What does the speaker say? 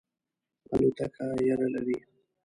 الوتکه یره لرئ؟